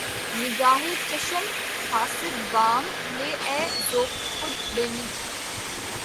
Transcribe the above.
نگاۂ چشم حاسد وام لے اے ذوق خود بینی